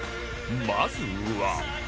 まずは